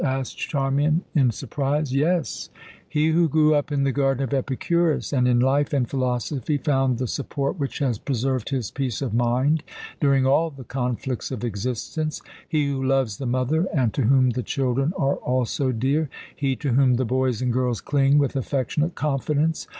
asked Charmian in surprise. "Yes, he who grew up in the garden of Epicurus, and in life and philosophy found the support which has preserved his peace of mind during all the conflicts of existence he who loves the mother, and to whom the children are also dear he to whom the boys and girls cling with affectionate confidence.